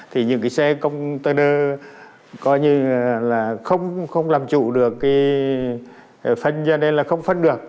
thì những cái xe công tơ đơ coi như là không làm chủ được phân ra đây là không phân được